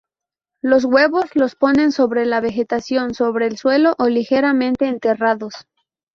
Sus huevos los ponen sobre la vegetación, sobre el suelo o ligeramente enterrados.